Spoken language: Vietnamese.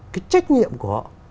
cái trách nhiệm của họ